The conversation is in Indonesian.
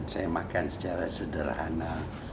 saya makan secara sederhana